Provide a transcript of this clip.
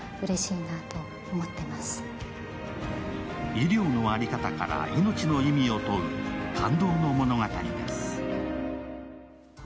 医療の在り方から命の意味を問う感動の物語です。